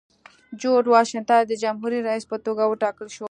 جورج واشنګټن د جمهوري رئیس په توګه وټاکل شو.